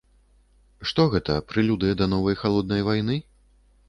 Што гэта, прэлюдыя да новай халоднай вайны?